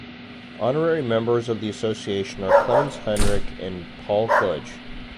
Honorary members of the association are Clemens Henrich and Paul Kluge.